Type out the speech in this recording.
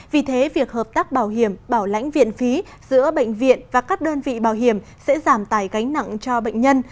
vì thế việc hợp tác bảo hiểm bảo lãnh viện phí giữa bệnh viện và các đơn vị bảo hiểm sẽ giảm tài gánh nặng cho bệnh nhân